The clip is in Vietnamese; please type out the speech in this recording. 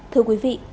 thưa quý vị